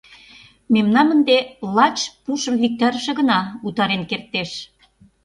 Мемнам ынде лач пушым виктарыше гына утарен кертеш.